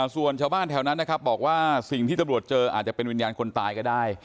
ส่วนชาวบ้านแถวนั้นนะครับบอกว่าสิ่งที่ตำรวจเจออาจจะเป็นวิญญาณคนตายก็ได้